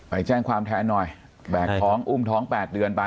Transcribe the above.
ไปแจ้งความแทนหน่อยแบกท้องอุ้มท้อง๘เดือนไป